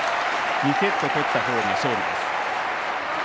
２セットとったほうが勝利です。